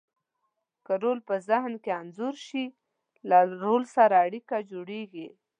که رول په ذهن کې انځور شي، له رول سره اړیکه جوړیږي.